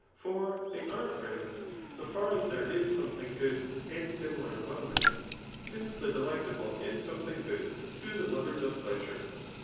For they are friends so £ir as there is something good and dmilar among them; since the delectable is something good to the Rovers of pleasure.